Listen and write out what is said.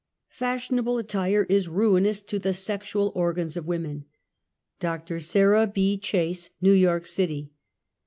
Fashionable attire is ruinous to the sexual organs ^ of women. Dr. Sarah B. Chase, New York City.